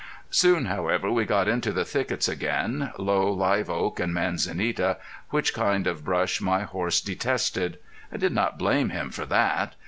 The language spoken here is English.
Soon, however, we got into the thickets again, low live oak and manzanita, which kind of brush my horse detested. I did not blame him for that.